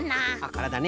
からだね。